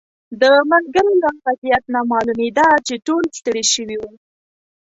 د ملګرو له وضعیت نه معلومېده چې ټول ستړي شوي وو.